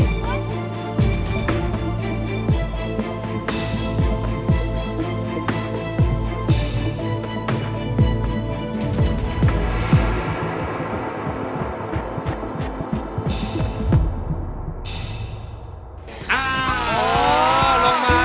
สงสารนี้